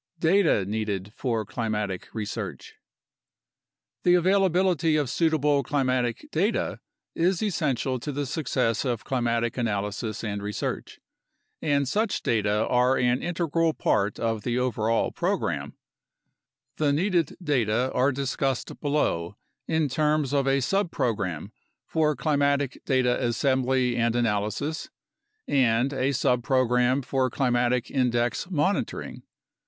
Data Needed for Climatic Research The availability of suitable climatic data is essential to the success of climatic analysis and research, and such data are an integral part of A NATIONAL CLIMATIC RESEARCH PROGRAM 67 the overall program. The needed data are discussed below in terms of a subprogram for climatic data assembly and analysis and a subprogram for climatic index monitoring.